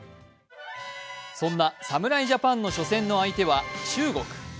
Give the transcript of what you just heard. そんな侍ジャパンの初戦の相手は中国。